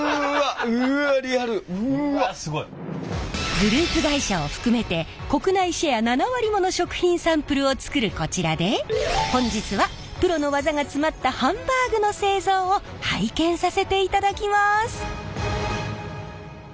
グループ会社を含めて国内シェア７割もの食品サンプルを作るこちらで本日はプロの技が詰まったハンバーグの製造を拝見させていただきます。